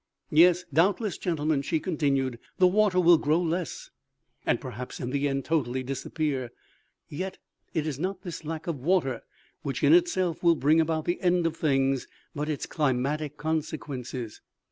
" Yes, doubtless, gentlemen," she continued, " the water will grow less, and, perhaps, in the end totally disappear ; yet, it is not this lack of water which in itself will bring about the end of things, but its climatic consequences.